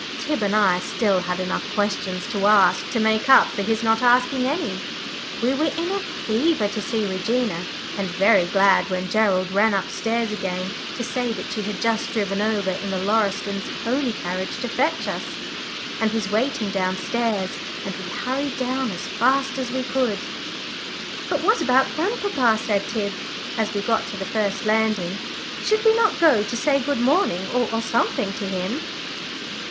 Tib and I had still enough questions to ask to make up for his not asking any. We were in a fever to see Regina, and very glad when Gerald ran up stairs again to say that she had just driven over in the Lauristons' pony carriage to fetch us, and was waiting downstairs, and we hurried down as fast as we could. "But what about grandpapa?" said Tib, as we got to the first landing. "Should we not go to say good morning or something to him?"